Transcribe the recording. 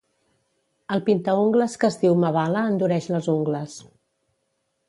El pintaungles que es diu Mavala endureix les ungles